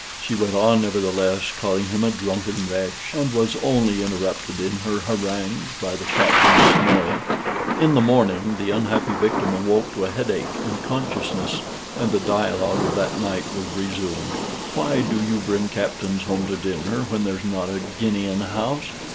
She went on, nevertheless, calling him a drunken wretch, and was only interrupted in her harangues by the Captain's snoring. In the morning, the unhappy victim awoke to a headache, and consciousness, and the dialogue of the night was resumed. "Why do you bring captains home to dinner when there's not a guinea in the house?